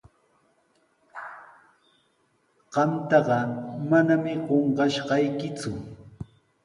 Qamtaqa manami qunqashaykiku.